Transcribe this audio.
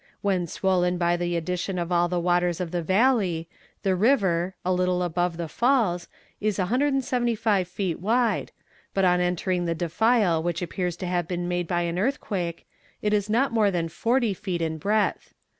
When swollen by the addition of all the waters of the valley, the river, a little above the Falls, is 175 feet wide, but on entering the defile which appears to have been made by an earthquake, it is not more than forty feet in breadth.